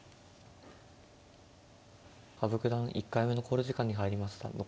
羽生九段１回目の考慮時間に入りました。